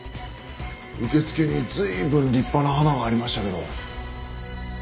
受付に随分立派な花がありましたけど。